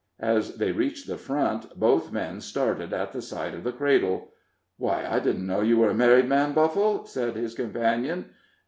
As they reached the front, both men started at the sight of the cradle. "Why, I didn't know you were a married man, Buffle?" said his companion.